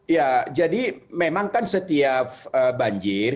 ya jadi memang kan setiap banjir